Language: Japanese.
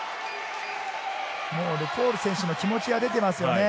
ルフォール選手の気持ちが出ていますね。